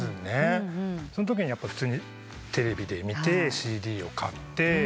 そのときに普通にテレビで見てＣＤを買って。